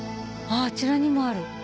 あちらにもある。